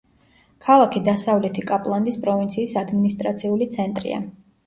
ქალაქი დასავლეთი კაპლანდის პროვინციის ადმინისტრაციული ცენტრია.